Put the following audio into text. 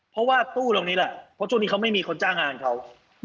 เพราะว่าตู้ตรงนี้แหละเพราะช่วงนี้เขาไม่มีคนจ้างงานเขา